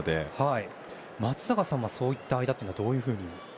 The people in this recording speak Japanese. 松坂さんはそういった間はどういうふうに？